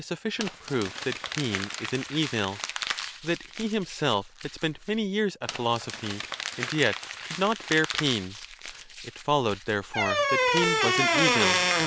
sufficient proof that pain is an evil; that he himself had spent many years at philosophy, and yet could not bear pain: it followed, therefore, that pain was an evil."